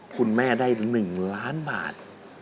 คุณแม่ได้หนึ่งล้านบาท